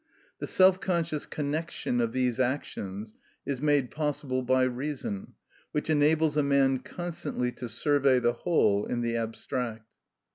The self conscious connection of these actions is made possible by reason, which enables a man constantly to survey the whole in the abstract.